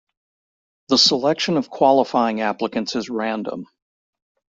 The selection of qualifying applicants is random.